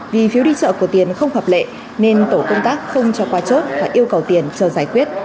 vì phiếu đi chợ của tiền không hợp lệ nên tổ công tác không cho qua chốt và yêu cầu tiền chờ giải quyết